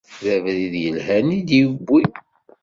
D abrid yelhan i d-iwwi.